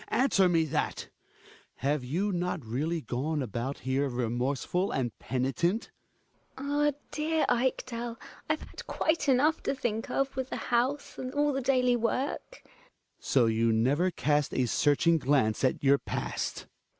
Answer me that ! Have you not really gone about here remorseful and penitent ? Gina. Ah ! dear Ekdal, I've had quite enough to think of with the house and all the daily work Hjalmar. So you never cast a searching glance at your past